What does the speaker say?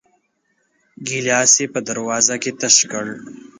ګيلاس يې په دروازه کې تش کړ.